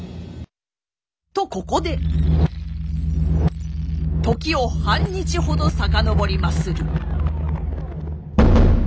とここで時を半日ほど遡りまする。